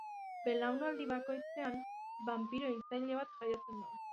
Belaunaldi bakoitzean banpiro-hiltzaile bat jaiotzen da.